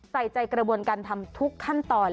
ใส่ใจกระบวนการทำทุกขั้นตอน